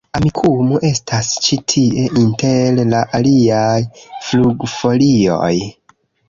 Amikumu estas ĉi tie inter la aliaj flugfolioj